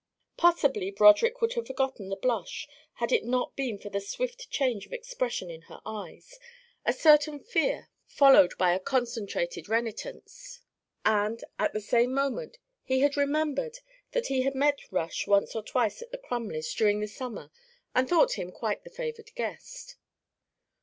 Possibly Broderick would have forgotten the blush had it not have been for the swift change of expression in her eyes: a certain fear followed by a concentrated renitence; and at the same moment he had remembered that he had met Rush once or twice at the Crumleys' during the summer and thought him quite the favoured guest.